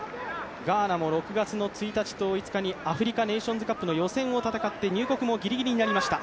ガーナも６月１日と５日にアフリカネーションズカップの予選を戦って入国もギリギリになりました